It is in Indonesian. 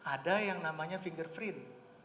ada yang namanya fingerprint